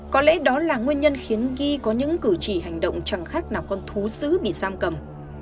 có lẽ đó là nguyên nhân khiến ghi có những cử chỉ hành động chẳng khác nào con thú sứ bị giam cầm